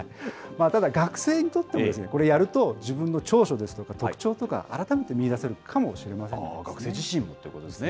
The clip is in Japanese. ただ、学生にとっても、これやると、自分の長所ですとか特徴とか、改めて見いだせるかもしれません学生自身もということですね。